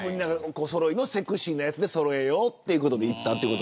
おそろいのセクシーのやつでそろえようということでした。